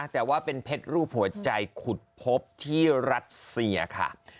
แต่ว่าเป็นเพชรรูปหัวใจขุดพบที่รัสเซียค่ะ